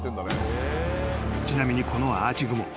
［ちなみにこのアーチ雲］